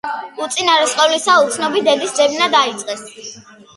უწინარეს ყოვლისა, უცნობი დედის ძებნა დაიწყეს.